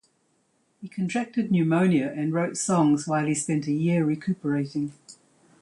He contracted pneumonia and wrote songs while he spent a year recuperating.